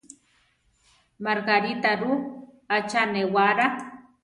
Margarita ru, atza néwará.